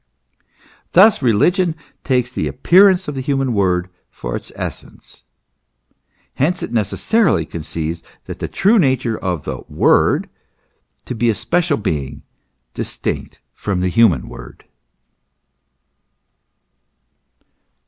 Thus religion takes the appearance of the human word for its essence ; hence it necessarily conceives the true nature of the Word to be a special being, distinct from the human word.